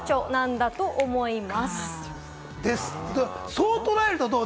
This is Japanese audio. そう捉えるとどう？